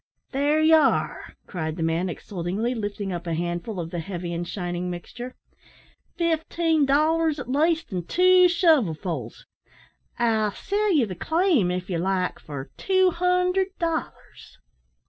"There you are," cried the man, exultingly, lifting up a handful of the heavy and shining mixture; "fifteen dollars at least in two shovelfuls. I'll sell ye the claim, if ye like, for two hundred dollars."